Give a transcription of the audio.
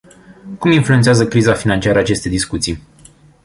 Cum influențează criza financiară aceste discuții?